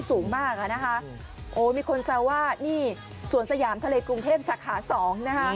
สูงมากอ่ะนะคะโอ้มีคนแซวว่านี่สวนสยามทะเลกรุงเทพสาขาสองนะคะ